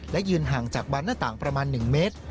และยืนห่างจากบันหน้าต่างประมาณ๑เมตร